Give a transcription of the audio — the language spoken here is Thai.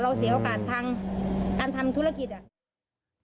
เสียโอกาสทางการทำธุรกิจอะ